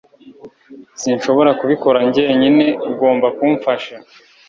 Sinshobora kubikora njyenyine Ugomba kumfasha